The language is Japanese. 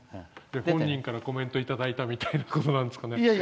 本人からコメントいただいたみたいなことなんですかね？